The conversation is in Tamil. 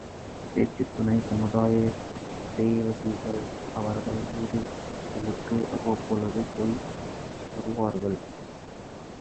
பேச்சுத் துண சமுதாய சேவகிகள் அவர்கள் வீடுகளுக்கு அவ்வப்பொழுது போய் வருவார்கள்.